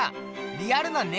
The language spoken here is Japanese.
リアルなね